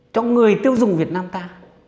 cho người tiêu dùng việt nam ta